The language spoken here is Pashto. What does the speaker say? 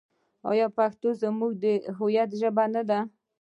آیا پښتو زموږ د هویت ژبه نه ده؟